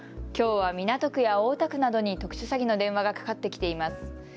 きょうは港区や大田区などに特殊詐欺の電話がかかってきています。